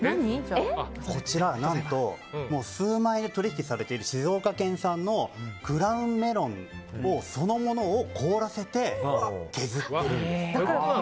こちら何と数枚で取り引きされている静岡県産のクラウンメロンそのものを凍らせて削っているんです。